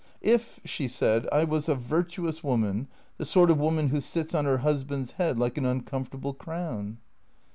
" If," she said, " I was a virtuous woman, the sort of woman who sits on her husband's head like an uncomfortable crown